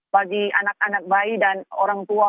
bagi anak anak bayi dan orang tua